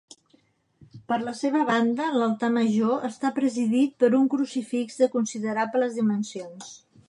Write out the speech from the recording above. Per la seva banda l'altar major està presidit per un crucifix de considerables dimensions.